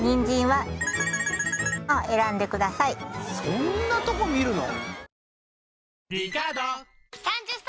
そんなとこ見るの？